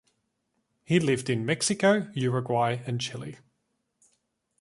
He lived in Mexico, Uruguay, and Chile.